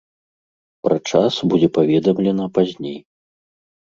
Пра час будзе паведамлена пазней.